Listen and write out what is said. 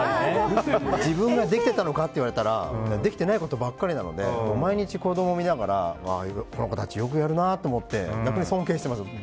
自分ができていたのかって言われたらできてないことばっかりなので毎日、子供を見ながらこの子たちよくやるなと思って逆に尊敬しています。